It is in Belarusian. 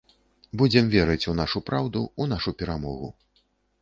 Будзем верыць у нашу праўду, у нашу перамогу.